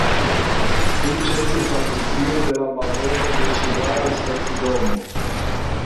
Tuj ĉesis la funkcio de la malnova de ĉe Vara stacidomo.